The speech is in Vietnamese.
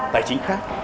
tài chính khác